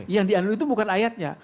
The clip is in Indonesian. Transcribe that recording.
yang dianulir itu bukan ayatnya